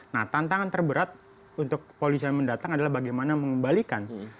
nah tantangan terberat untuk polisi yang mendatang adalah bagaimana mengembalikan